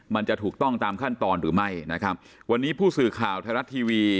มันจะถูกต้องตามขั้นตอนหรือไม่นะครับวันนี้ผู้สื่อข่าวไทยรัฐทีวี